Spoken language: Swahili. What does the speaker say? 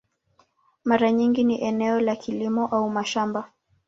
Mara nyingi ni eneo la kilimo au mashamba.